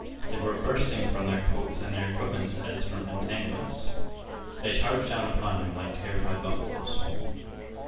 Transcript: They were bursting from their coats and their equipments as from entanglements. They charged down upon him like terrified buffaloes.